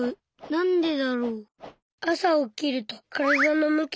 なんでだろう？